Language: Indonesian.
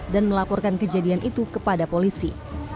dan melaporkan kejadian itu kepada polisi